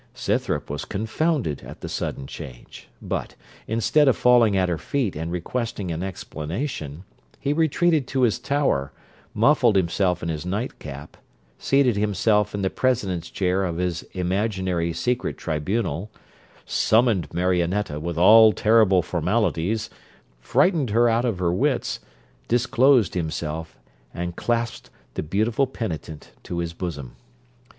Scythrop was confounded at the sudden change; but, instead of falling at her feet and requesting an explanation, he retreated to his tower, muffled himself in his nightcap, seated himself in the president's chair of his imaginary secret tribunal, summoned Marionetta with all terrible formalities, frightened her out of her wits, disclosed himself, and clasped the beautiful penitent to his bosom.